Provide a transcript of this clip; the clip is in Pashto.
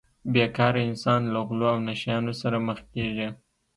بې کاره انسان له غلو او نشه یانو سره مخ کیږي